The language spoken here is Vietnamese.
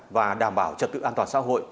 và đảm bảo trật tự an toàn xã hội